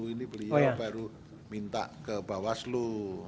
ini beliau baru minta ke bawaslu